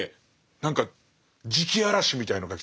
何か磁気嵐みたいのが来てね